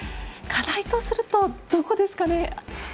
課題とするとどこですかね？